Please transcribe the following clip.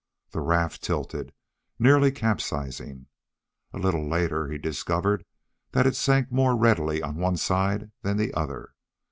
The raft tilted, nearly capsizing. A little later he discovered that it sank more readily on one side than the other.